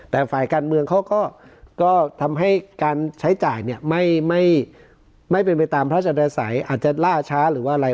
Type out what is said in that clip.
แต่ฝ่ายการเมืองเขาก็ทำให้การใช้จ่ายเนี่ยไม่เป็นไปตามพระราชสัยอาจจะล่าช้าหรือว่าอะไร